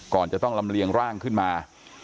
ก่อนจะต้องลำเลียงร่างขึ้นมา